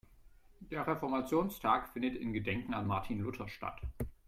Der Reformationstag findet in Gedenken an Martin Luther statt.